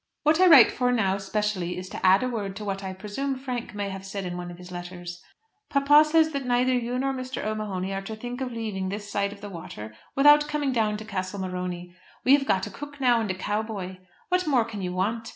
What I write for now, specially, is to add a word to what I presume Frank may have said in one of his letters. Papa says that neither you nor Mr. O'Mahony are to think of leaving this side of the water without coming down to Castle Morony. We have got a cook now, and a cow boy. What more can you want?